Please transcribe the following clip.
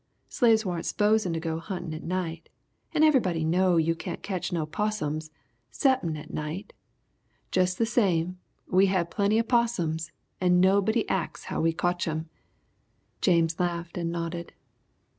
Slaves warn't spozen to go huntin' at night and everybody know you can't ketch no 'possums 'ceppin' at night! Jus' the same, we had plenty 'possums and nobody ax how we cotch 'em!" James laughed and nodded.